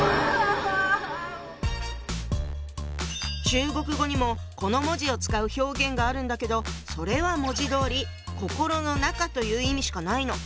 中国語にもこの文字を使う表現があるんだけどそれは文字どおり「心の中」という意味しかないの。